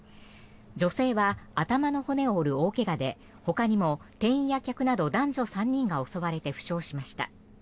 女性は頭の骨を折る大怪我でほかにも店員や客など男女３人が襲われて負傷しました。